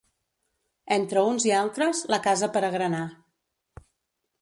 Entre uns i altres, la casa per agranar.